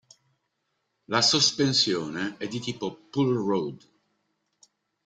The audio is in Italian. La sospensione è di tipo "pull rod.